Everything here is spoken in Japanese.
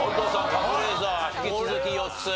カズレーザー引き続き４つ。